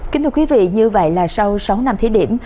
kính thưa quý vị như vậy là sau sáu năm thí điểm